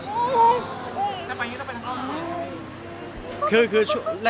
ต้องไปยิงต้องไปยิง